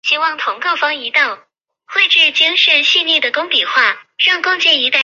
他是认知心理学的先驱者之一。